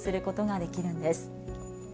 できるんです。